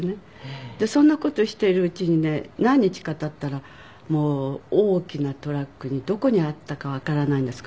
そんな事しているうちにね何日か経ったらもう大きなトラックにどこにあったかわからないんですけど。